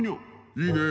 「いいねえ。